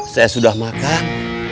saya sudah makan